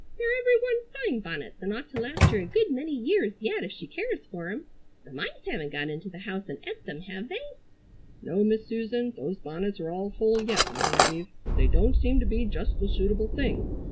They're every one fine bonnets and ought to last her a good many years yet if she cares fer 'em. The mice haven't got into the house and et them, hev they?" "No, Miss Susan, those bonnets are all whole yet I believe, but they don't seem to be just the suitable thing.